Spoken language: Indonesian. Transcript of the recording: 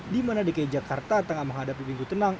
di mana dki jakarta tengah menghadapi minggu tenang